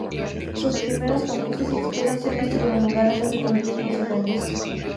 Sus primeros concursos y exposiciones tuvieron lugar antes de cumplir los diez años.